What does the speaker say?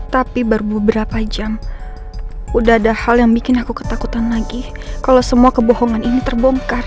tapi baru beberapa jam udah ada hal yang bikin aku ketakutan lagi kalau semua kebohongan ini terbongkar